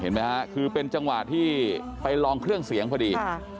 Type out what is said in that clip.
เห็นไหมฮะคือเป็นจังหวะที่ไปลองเครื่องเสียงพอดี